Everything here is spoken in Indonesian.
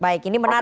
baik ini menarik